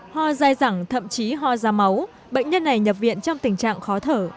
ho dài dẳng thậm chí ho ra máu bệnh nhân này nhập viện trong tình trạng khó thở